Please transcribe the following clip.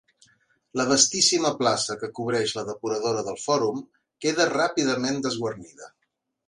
La vastíssima plaça que cobreix la Depuradora del Fòrum queda ràpidament desguarnida.